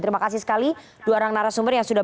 terima kasih sekali dua orang narasumber yang sudah